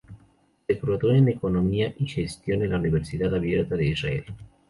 Se graduó en Economía y Gestión en la Universidad Abierta de Israel.